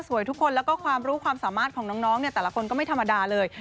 ทุกคนแล้วก็ความรู้ความสามารถของน้องเนี่ยแต่ละคนก็ไม่ธรรมดาเลย